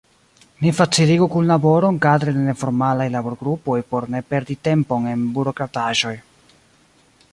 Ni faciligu kunlaboron kadre de neformalaj laborgrupoj por ne perdi tempon en burokrataĵoj.